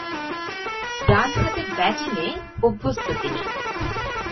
ডানহাতে ব্যাটিংয়ে অভ্যস্ত তিনি।